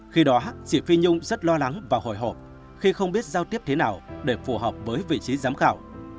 khi đó chị phi nhung rất lo lắng và hồi hộp khi không biết giao tiếp thế nào để phù hợp với vị trí giám khảo